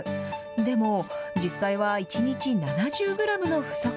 でも、実際は１日７０グラムの不足。